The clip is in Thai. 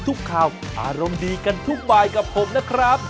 ทุกข่าวอารมณ์ดีกันทุกบายกับผมนะครับ